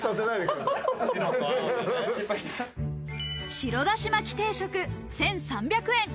白だしまき定食、１３００円。